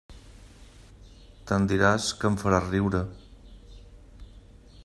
Tant diràs, que em faràs riure.